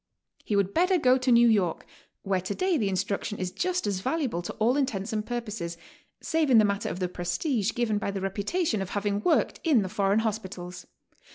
He would better go to New York, where today the instruction is just as valuable to all intents and purposes, save in the matter of the prestige given by the reputation of having worked in the foreign hospitals.